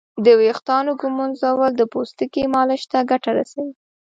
د ویښتانو ږمنځول د پوستکي مالش ته ګټه رسوي.